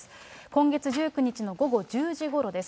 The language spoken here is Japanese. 今月１９日の午後１０時ごろです。